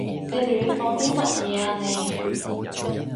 你亂講啲乜嘢啊你？